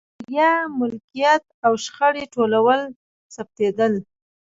مالیه، ملکیت او شخړې ټول ثبتېدل.